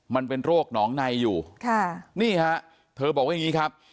มันเป็นโรคหนองในอยู่ค่ะนี่ฮะเธอบอกว่าอย่างนี้ครับ